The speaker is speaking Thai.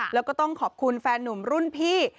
แล้วก็ต้องขอบคุณแฟนหนุ่มรุ่นพี่